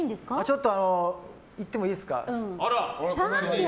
ちょっと行ってもいいですか？